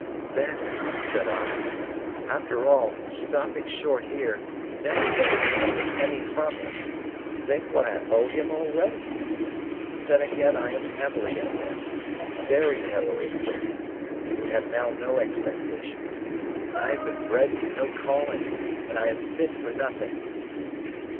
"Then," said I, "after all, stopping short here, never taking another penny from him, think what I owe him already! Then again: I am heavily in debt,—very heavily for me, who have now no expectations,—and I have been bred to no calling, and I am fit for nothing."